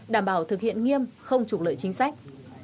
đảm bảo thực hiện nghiêm không trục lợi chính sách